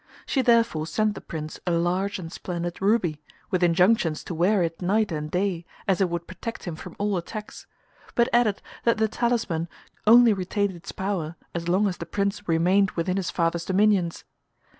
She therefore sent the Prince a large and splendid ruby, with injunctions to wear it night and day as it would protect him from all attacks, but added that the talisman only retained its power as long as the Prince remained within his father's dominions.